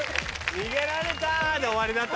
「逃げられた」で終わりだったんだな。